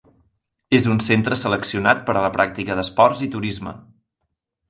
És un centre seleccionat per a la pràctica d'esports i turisme.